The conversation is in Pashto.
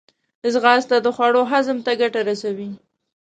ځغاسته د خوړو هضم ته ګټه رسوي